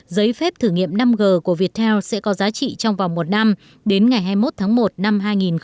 giấy phép thử nghiệm năm g của viettel sẽ có giá trị trong vòng một năm đến ngày hai mươi một tháng một năm hai nghìn hai mươi